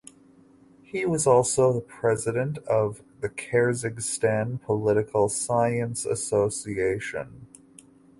He was also the president of the Kyrgyzstan Political Science Association.